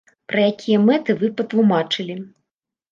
Пра якія мэты вы патлумачылі?!